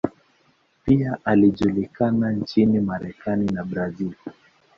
Pia alijulikana nchini Marekani na Brazil.